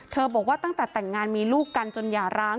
บอกว่าตั้งแต่แต่งงานมีลูกกันจนหย่าร้าง